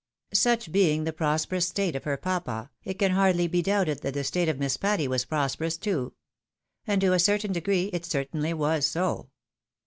Such being the prosperous state of her papa, it can hardly be doubted that the state of Jliss Patty was prosperous too ; and to a certain degree it certainly was so.